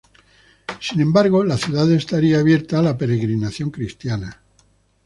Sin embargo, la ciudad estaría abierta a la peregrinación cristiana.